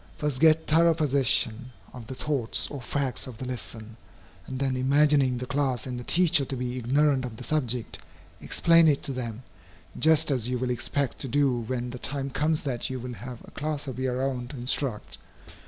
First get thorough possession of the thoughts or facts of the lesson, and then, imagining the class and the teacher to be ignorant of the subject, explain it to them, just as you will expect to do when the time comes that you will have a class of your own to instruct.